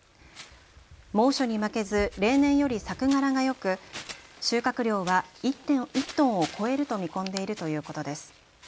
猛暑に負けず例年より作柄がよく収穫量は１トンを超えると見込んでいるということです。